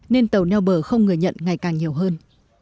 nên tàu neo bờ không người nhận ngày càng nhiều hơn